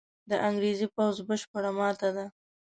د انګرېزي پوځ بشپړه ماته ده.